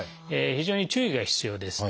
非常に注意が必要です。